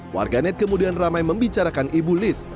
warganet kemudian ramai membicarakan ibu liz